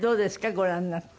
ご覧になって。